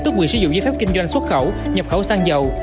tức quyền sử dụng giấy phép kinh doanh xuất khẩu nhập khẩu xăng dầu